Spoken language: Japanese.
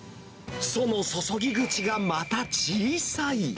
その注ぎ口がまた小さい。